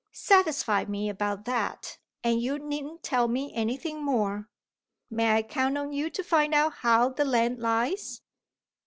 Satisfy me about that, and you needn't tell me anything more. May I count on you to find out how the land lies?"